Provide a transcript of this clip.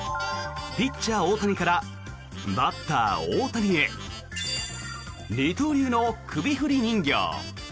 ピッチャー・大谷からバッター・大谷へ二刀流の首振り人形。